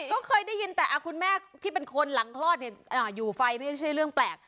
ก็เคยได้ยินแต่คุณแม่ที่เป็นคนหลังคลอดอยู่ไฟไม่ใช่เรื่องแปลก